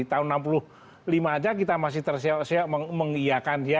tahun enam puluh lima aja kita masih tersia sia mengiyakan dia